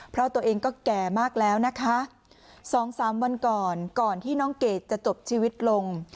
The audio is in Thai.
เพราะตัวเองก็แก่มากแล้วนะคะสองสามวันก่อนก่อนที่น้องเกดจะจบชีวิตลง